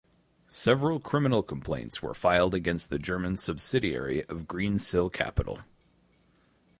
Several criminal complaints were filed against the German subsidiary of Greensill Capital.